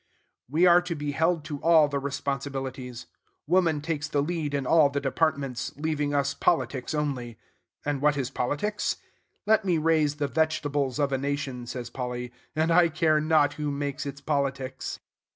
We are to be held to all the responsibilities. Woman takes the lead in all the departments, leaving us politics only. And what is politics? Let me raise the vegetables of a nation, says Polly, and I care not who makes its politics.